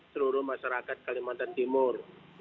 seluruh masyarakat kalimantan timur